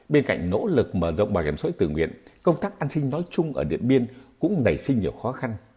bên cạnh nỗ lực mở rộng bảo hiểm sối tự nguyện công tác ăn sinh nói chung ở điện biên cũng nảy sinh nhiều khó khăn